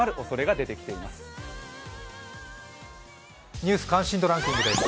「ニュース関心度ランキング」です。